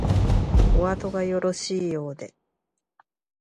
おあとがよろしいようで